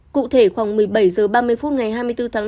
cụ thể khoảng một mươi bảy h ba mươi phút ngày hai mươi bốn tháng tám